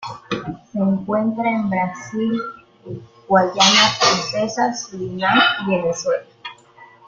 Se encuentra en Brasil, Guayana Francesa, Surinam y Venezuela.